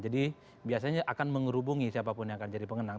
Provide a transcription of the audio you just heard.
jadi biasanya akan menghubungi siapapun yang akan jadi pemenang